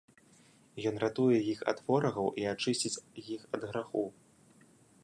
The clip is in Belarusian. Ён ратуе іх ад ворагаў і ачысціць іх ад граху.